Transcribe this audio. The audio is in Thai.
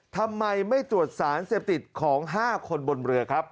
ทำไมไม่ตรวจสารเสพติดของ๕คนบนเรือครับ